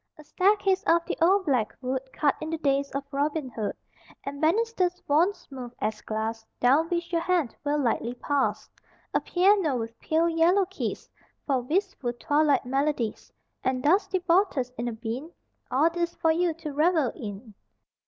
A staircase of the old black wood Cut in the days of Robin Hood, And banisters worn smooth as glass Down which your hand will lightly pass; A piano with pale yellow keys For wistful twilight melodies, And dusty bottles in a bin All these for you to revel in!